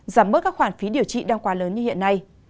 giảm bớt các khoản phí điều trị đang quá lớn như hiện nay